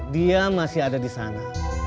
dia masih ada di sana